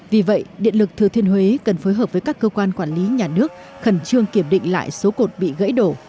vì vậy điện lực thừa thiên huế cần phối hợp với các cơ quan quản lý nhà nước khẩn trương kiểm định lại số cột bị gãy đổ